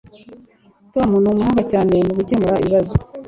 Tom ni umuhanga cyane mugukemura ibibazo